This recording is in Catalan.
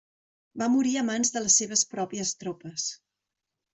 Va morir a mans de les seves pròpies tropes.